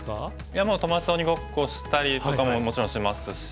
いやまあ友達と鬼ごっこしたりとかももちろんしますし。